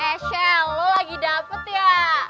eh shell lo lagi dapet ya